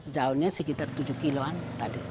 jauhnya sekitar tujuh kiloan tadi